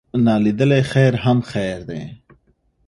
نا لیدلی خیر هم خیر دی.